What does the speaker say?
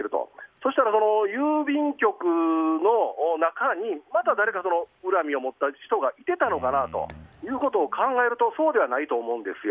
そうしたら郵便局の中にまた誰か恨みを持っていた人がいてたのかなと考えるとそうではないと思うんですよ。